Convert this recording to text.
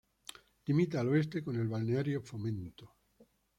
Limita al oeste con el balneario Fomento.